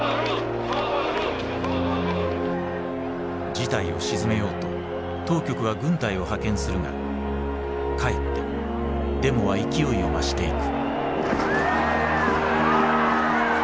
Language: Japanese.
事態を鎮めようと当局は軍隊を派遣するがかえってデモは勢いを増していく。